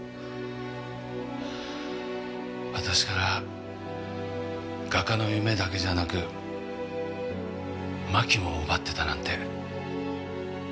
私から画家の夢だけじゃなく真紀も奪ってたなんて。